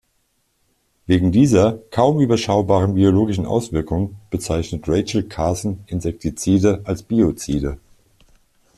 Wegen dieser kaum überschaubaren biologischen Auswirkungen bezeichnet Rachel Carson Insektizide als Biozide.